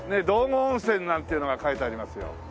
「道後温泉」なんていうのが書いてありますよ。